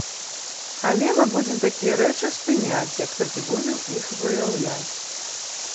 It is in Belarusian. Але мы будзем такія рэчы спыняць, як толькі будзем іх выяўляць.